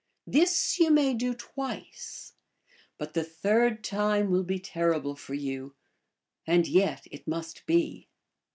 This you may da twice, but the third time will be terrible for you, and yet it must be."